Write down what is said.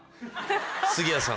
杉谷さん。